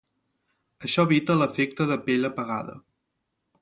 Això evita l'efecte de "pell apagada".